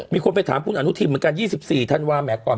มีคนไปถามคุณอนุทินเหมือนกัน๒๔ธันวาแหก่อน